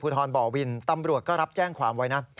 ทรบ่อวินตำรวจก็รับแจ้งความไว้นะ